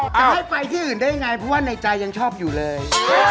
จะให้ไปที่อื่นได้ยังไงเพราะว่าในใจยังชอบอยู่เลย